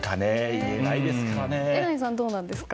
榎並さんはどうですか？